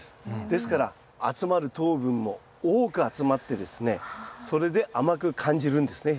ですから集まる糖分も多く集まってですねそれで甘く感じるんですね